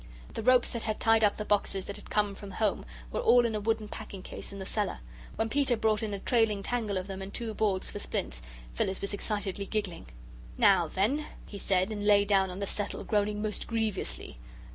The ropes that had tied up the boxes that had come from home were all in a wooden packing case in the cellar. When Peter brought in a trailing tangle of them, and two boards for splints, Phyllis was excitedly giggling. "Now, then," he said, and lay down on the settle, groaning most grievously.